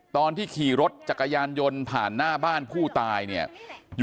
ตอนที่ขี่รถจักรยานยนต์ผ่านหน้าบ้านผู้ตายเนี่ย